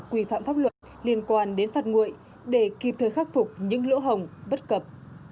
quy phạm pháp luật liên quan đến phạt nguội để kịp thời khắc phục những lỗ hồng bất cập